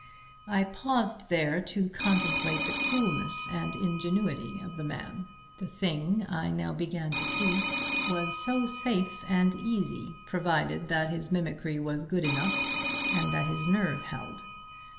I paused there to contemplate the coolness and ingenuity of the man. The thing, I now began to see, was so safe and easy, provided that his mimicry was good enough, and that his nerve held.